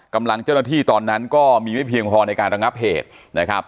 กำลังเจ้าหน้าที่ตอนนั้นก็มีไม่เพียงพอในการระงับเหตุนะครับ